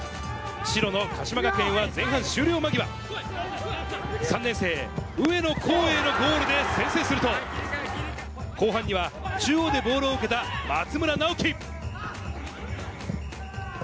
白の鹿島学園は前半終了間際、３年生・上野光永のゴールで先制すると、後半には中央でボールを受けた松村尚樹。